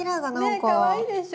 かわいいでしょ。